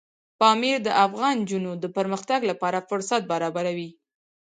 پامیر د افغان نجونو د پرمختګ لپاره فرصتونه برابروي.